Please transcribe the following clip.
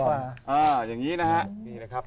อ่าอย่างนี้นะครับ